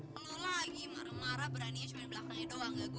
kak fatima beres beres rumah dulu